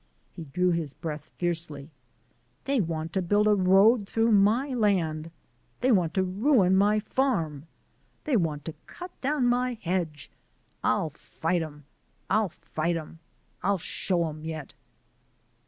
He drew his breath fiercely. "They want to build a road through my land. They want to ruin my farm they want to cut down my hedge. I'll fight 'em. I'll fight 'em. I'll show 'em yet!"